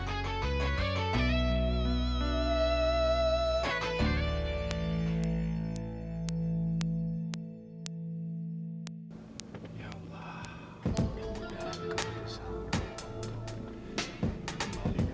ya allah mudah kembali sampai